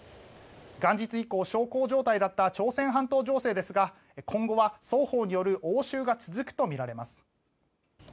元日以降、小康状態だった朝鮮半島情勢ですが今後は双方による応酬が続くとみられます。